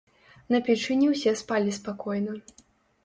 На печы не ўсе спалі спакойна.